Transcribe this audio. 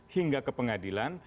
hingga ke pengadilan